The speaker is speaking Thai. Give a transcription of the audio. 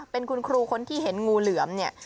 เป็นคุณครูคนที่เห็นงูเหลือมเนี่ย